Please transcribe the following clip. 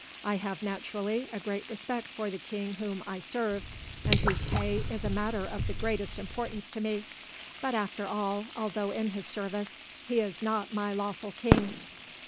I have, naturally, a great respect for the king whom I serve, and whose pay is a matter of the greatest importance to me; but after all, although in his service, he is not my lawful king."